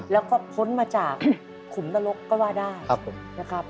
แล้วก็พ้นมาจากขุมนรกก็ว่าได้นะครับ